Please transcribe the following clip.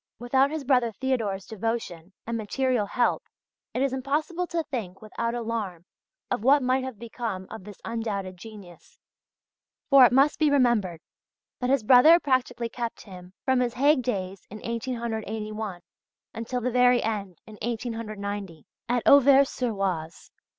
Without his brother Theodor's devotion and material help it is impossible to think without alarm of what might have become of this undoubted genius. For it must be remembered that his brother practically kept him from his Hague days in 1881 until the very end in 1890, at Auvers sur Oise.